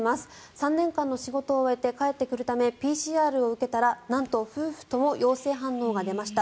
３年間の仕事を終えて帰ってくるためＰＣＲを受けたらなんと、夫婦とも陽性反応が出ました。